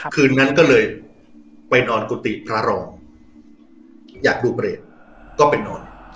คืนนั้นก็เลยไปนอนกุฏิพระรองอยากดูเบรกก็ไปนอน